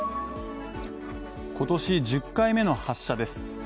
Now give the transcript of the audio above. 今年１０回目の発射です。